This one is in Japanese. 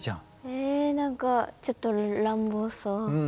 えなんかちょっと乱暴そう。